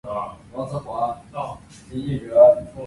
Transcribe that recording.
两个事件同时发生